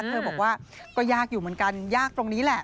เธอบอกว่าก็ยากอยู่เหมือนกันยากตรงนี้แหละ